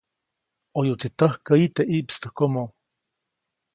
ʼOyuʼtsi täjkäyi teʼ ʼiʼpstäjkomo.